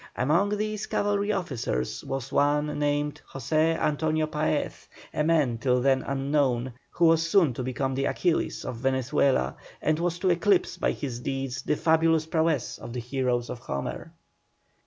Among these cavalry officers was one named JOSE ANTONIO PAEZ, a man till then unknown, who was soon to become the Achilles of Venezuela, and was to eclipse by his deeds the fabulous prowess of the heroes of Homer.